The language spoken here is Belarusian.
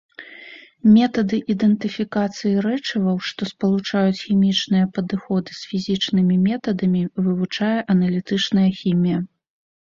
Метады ідэнтыфікацыі рэчываў, што спалучаюць хімічныя падыходы з фізічнымі метадамі, вывучае аналітычная хімія.